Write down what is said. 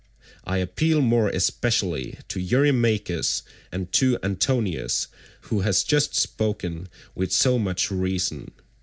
I appeal more especially to Eurymachus, and to Antinous who has just spoken with so much reason.